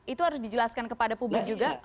itu harus dijelaskan kepada publik juga